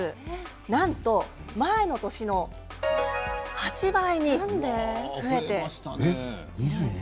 なんと前の年の８倍に増えています。